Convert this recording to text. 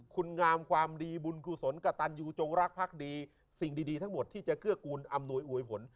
คุณงามความดีบุญกุศลกระตันยูจงรักพักดีสิ่งดีทั้งหมดที่จะเกื้อกูลอำนวยอวยผล